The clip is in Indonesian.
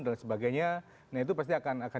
dan sebagainya nah itu pasti akan